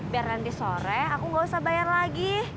biar nanti sore aku nggak usah bayar lagi